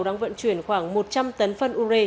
đang vận chuyển khoảng một trăm linh tấn phân ure